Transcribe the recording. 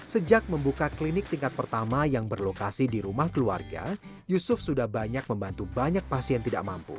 sejak membuka klinik tingkat pertama yang berlokasi di rumah keluarga yusuf sudah banyak membantu banyak pasien tidak mampu